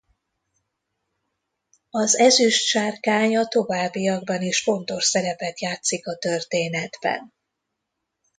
Az Ezüst Sárkány a továbbiakban is fontos szerepet játszik a történetben.